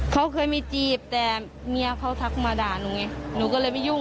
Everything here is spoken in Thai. เขาเคยมีจีบแต่เมียเขาทักมาด่าหนูไงหนูก็เลยไม่ยุ่ง